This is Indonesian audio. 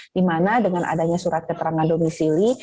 dimana dengan adanya surat keterangan domisili